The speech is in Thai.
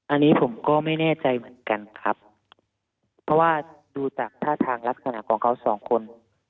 อันนี้ผมก็ไม่แน่ใจเหมือนกันครับเพราะว่าดูจากท่าทางลักษณะของเขาสองคน